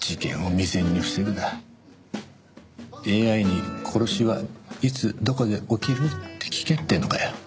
ＡＩに「殺しはいつどこで起きる？」って聞けっていうのかよ。